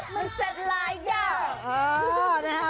มันเศษหลายเก่า